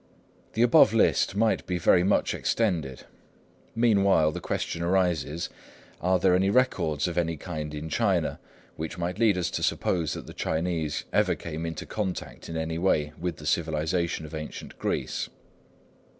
The above list might be very much extended. Meanwhile, the question arises: Are there any records of any kind in China which might lead us to suppose that the Chinese ever came into contact in any way with the civilisation of ancient Greece?